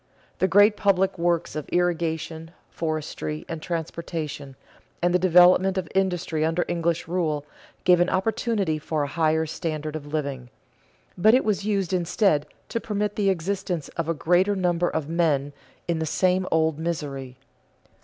The great public works of irrigation, forestry, and transportation, and the development of industry under English rule, gave an opportunity for a higher standard of living; but it was used instead to permit the existence of a greater number of men in the same old misery.